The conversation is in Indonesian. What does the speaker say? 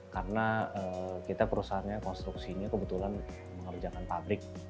karena kita perusahaannya konstruksinya kebetulan mengerjakan pabrik